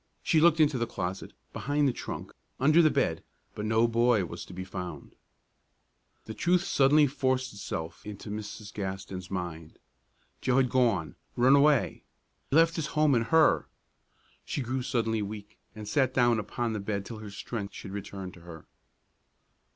She looked into the closet, behind the trunk, under the bed; but no boy was to be found. The truth suddenly forced itself into Mrs. Gaston's mind. Joe had gone run away! left his home and her! She grew suddenly weak, and sat down upon the bed till her strength should return to her.